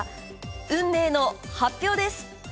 運命の発表です。